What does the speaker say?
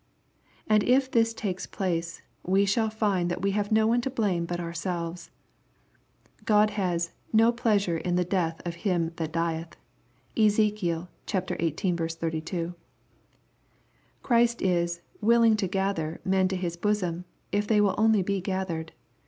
And if this takes place, we shall find that we have no one to blame but ourselves. God has " no pleasure in the death of him that dieth." (Ezek. xviii. 82.) Christ is "willing to gather" men to His bosom, if they will only be gathered.